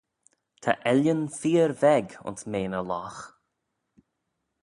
Ta ellan feer veg ayns mean y logh.